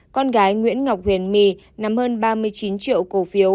con gái nguyễn ngọc huyền my nắm hơn ba mươi chín triệu cổ phiếu